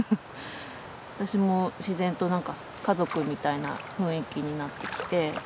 私も自然となんかその家族みたいな雰囲気になってきて。